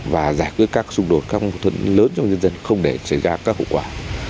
và giải quyết các xung đột các mâu thuẫn lớn trong nhân dân không để xảy ra các hậu quả